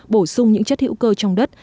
bổ sung những chất hữu cơ trong đất